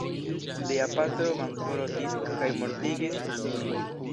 Lia patro bankrotis kaj mortigis sin.